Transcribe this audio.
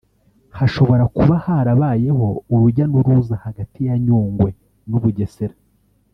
hashobora kuba harabayeho urujya n’uruza hagati ya Nyungwe n’Ubugesera